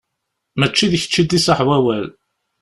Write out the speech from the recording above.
Mačči d kečč i d-iṣaḥ wawal.